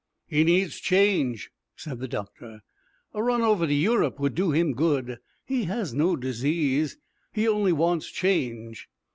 "He needs change," said the doctor. "A run over to Europe would do him good. He has no disease; he only wants change."